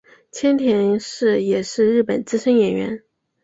千田是也是日本资深演员。